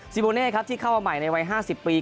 โบเน่ครับที่เข้ามาใหม่ในวัย๕๐ปี